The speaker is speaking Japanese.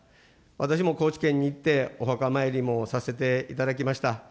私も高知県に行ってお墓参りもさせていただきました。